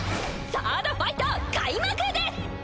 サードファイト開幕です！